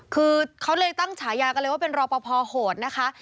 คือเขาเลยตั้งฉายากันเลยว่าเป็นรอปภโหดนะคะ